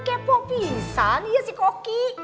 kepo pisang iya si koki